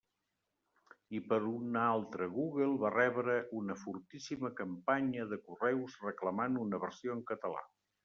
I per una altra Google va rebre una fortíssima campanya de correus reclamant una versió en català.